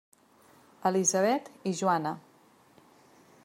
Elisabet i Joana.